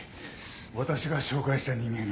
私が紹介した人間が。